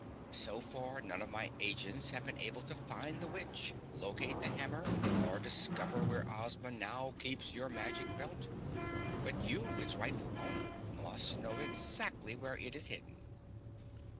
So far, none of my agents has been able to find the witch, locate the hammer, or discover where Ozma now keeps your magic belt. But you, its rightful owner, must know exactly where it is hidden?"